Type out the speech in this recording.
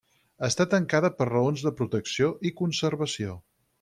Està tancada per raons de protecció i conservació.